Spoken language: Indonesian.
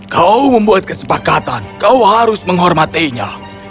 kau membuat kesepakatan kau harus menghormatinya